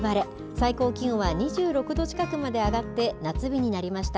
最高気温は２６度近くまで上がって、夏日になりました。